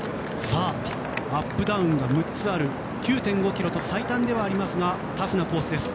アップダウンが６つある９．５ｋｍと最短ですがタフなコースです。